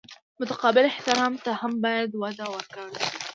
متقابل احترام ته هم باید وده ورکړل شي.